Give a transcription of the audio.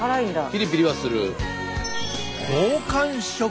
ピリピリはする。